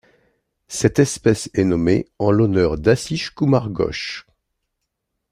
Cette espèce est nommée en l'honneur d'Asish Kumar Ghosh.